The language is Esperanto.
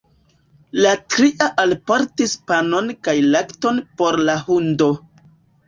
La tria alportis panon kaj lakton por la hundo.